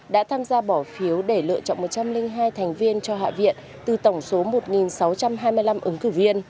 đã tham gia bỏ phiếu để lựa chọn một trăm linh hai thành viên cho hạ viện từ tổng số một sáu trăm hai mươi năm ứng cử viên